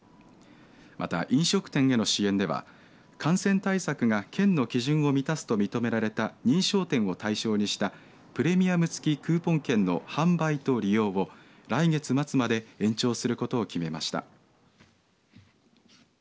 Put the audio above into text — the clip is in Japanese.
また、飲食店への支援では感染対策が県の基準を満たすと認められた認証店を対象にしたプレミアム付きクーポン券の販売と利用を来月末まで延長することを決めました。